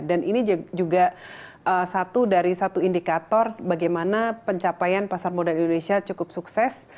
dan ini juga satu dari satu indikator bagaimana pencapaian pasar modal indonesia cukup sukses